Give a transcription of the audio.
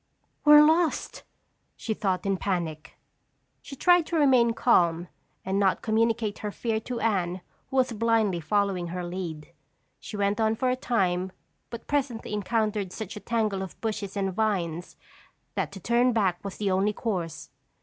"We're lost!" she thought in panic. She tried to remain calm and not communicate her fear to Anne who was blindly following her lead. She went on for a time but presently encountered such a tangle of bushes and vines that to turn back was the only course.